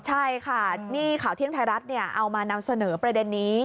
ใช่ค่ะนี่ข่าวเที่ยงไทยรัฐเอามานำเสนอประเด็นนี้